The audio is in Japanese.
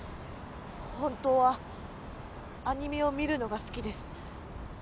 本当はアニメを見るのが好きです。